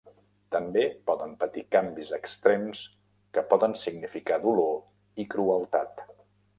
També poden patir canvis extrems que poden significar dolor i crueltat.